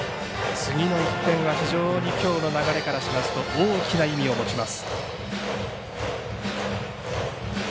次の１点が非常にきょうの流れからしますと大きな意味を持ちます。